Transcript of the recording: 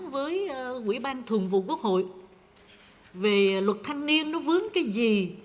với quỹ ban thường vụ quốc hội về luật thanh niên nó vướng cái gì